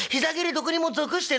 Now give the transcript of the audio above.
どこにも属してない」。